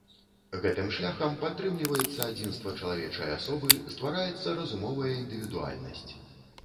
Гэтым шляхам падтрымліваецца адзінства чалавечай асобы, ствараецца разумовая індывідуальнасць.